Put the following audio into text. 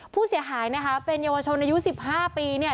ผู้เสียหายนะคะเป็นเยาวชนอายุ๑๕ปีเนี่ย